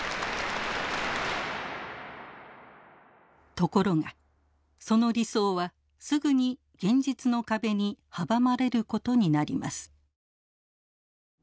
ところがその理想はすぐに現実の壁に阻まれることになります。